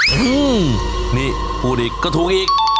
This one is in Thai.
อืมนี่พูดอีกก็ถูกอีก